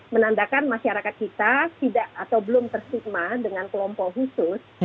menandakan masyarakat kita tidak atau belum tersigma dengan kelompok khusus